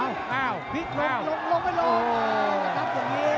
ลกลกไปเลย